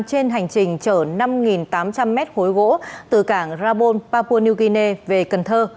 trên hành trình chở năm tám trăm linh m hối gỗ từ cảng rabone papua new guinea về cần thơ